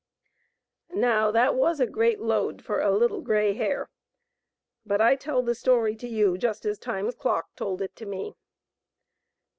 (Now that was a great load for a little grey hare ; but I tell the story to you just as Time's Clock told it to me.)